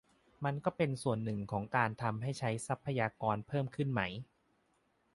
มันก็เป็นส่วนหนึ่งของการทำให้ใช้ทรัพยากรเพิ่มขึ้นไหม